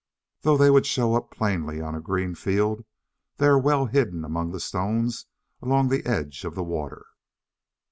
Though they would show up plainly on a green field, they are well hidden among the stones along the edge of the water.